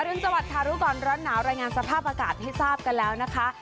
รุนสวัสดิ์รู้ก่อนร้อนหนาวรายงานสภาพอากาศให้ทราบกันแล้วนะคะ